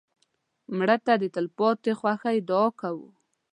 مړه ته د تلپاتې خوښۍ دعا کوو